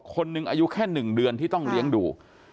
คนหนึ่งอายุแค่๑เดือนที่ต้องเลี้ยงดู